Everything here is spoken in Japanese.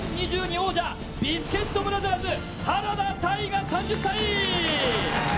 王者ビスケットブラザーズ原田泰河３０歳。